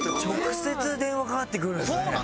直接電話かかってくるんだね。